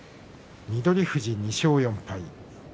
翠富士２勝４敗。